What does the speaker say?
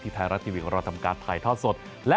ที่ไทยรัฐทีวีเพราะเราทำการถ่ายทอดสด